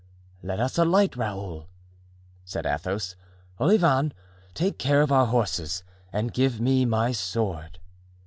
"Let us alight; Raoul," said Athos. "Olivain, take care of our horses and give me my sword."